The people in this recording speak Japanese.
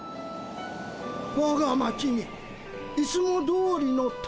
「わが町にいつもどおりの旅の風」。